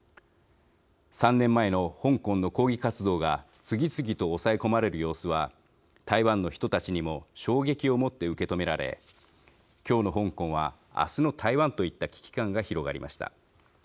３年前の香港の抗議活動が次々と、おさえこまれる様子は台湾の人たちにも衝撃をもって受け止められきょうの香港は、あすの台湾といった危機感が広がりました。